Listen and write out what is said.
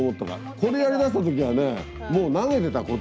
これやりだした時はねもう投げてたこっち。